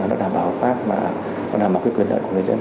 nó đảm bảo pháp và đảm bảo quyền lợi của người dân